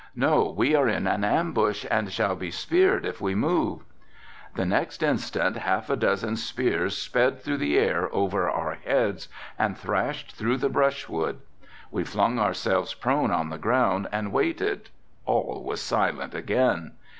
"No we are in an ambush and shall be speared if we move." The next instant half a dozen spears sped through the air over our heads and thrashed through the brush wood. We flung ourselves prone on the ground and waited, all was silent again.